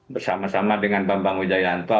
bersama sama dengan bambang ujaya antwa